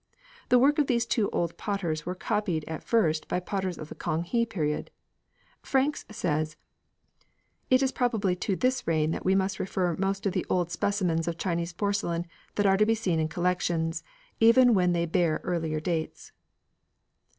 The work of these two old potters were copied at first by potters of the Kang he period. "Franks" says: "It is probably to this reign that we must refer most of the old specimens of Chinese porcelain that are to be seen in collections, even when they bear earlier dates."